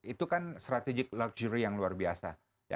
itu kan strategik luxury yang luar biasa